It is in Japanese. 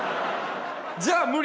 じゃあ無理！